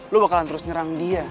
lo bakalan terus nyerang dia